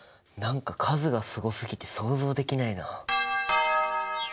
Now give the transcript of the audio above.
何か数がすごすぎて想像できないな。